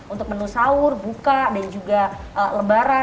untuk menu sahur buka dan juga lebaran